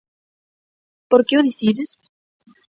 Por que o dicides?